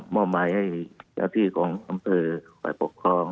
มอบหมายให้เจ้าที่ของอำเภอฝ่ายปกครอง